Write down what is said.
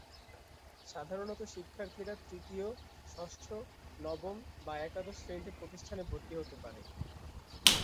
সাধারণত শিক্ষার্থীরা তৃতীয়, ষষ্ঠ, নবম বা একাদশ শ্রেণিতে প্রতিষ্ঠানে ভর্তি হতে পারে।